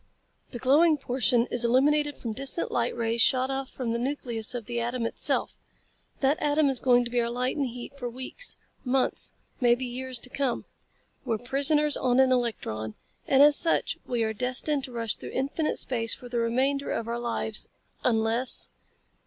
The glowing portion is illuminated from distant light rays shot off from the nucleus of the atom itself. That atom is going to be our light and heat for weeks, months, perhaps years to come. We're prisoners on an electron, and as such we are destined to rush through infinite space for the remainder of our lives unless...."